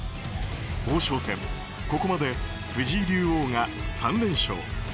王将戦ここまで藤井竜王が３連勝。